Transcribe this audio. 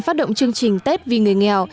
phát động chương trình tết vì người nghèo